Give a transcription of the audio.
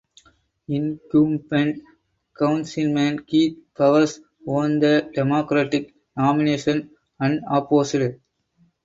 Incumbent Councilman Keith Powers won the Democratic nomination unopposed.